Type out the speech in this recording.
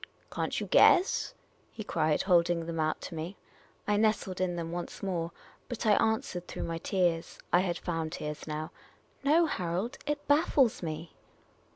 "Can't you guess?" he cried, holding them out to me. I nestled in them once more ; but I answered through my tears — I had found tears now — "No, Harold; it baffles me."